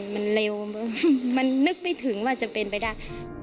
มันเร็วมันนึกไม่ถึงว่าจะเป็นไปได้